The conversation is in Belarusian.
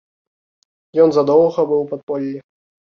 Ён задоўга быў у падполлі.